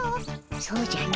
そうじゃの。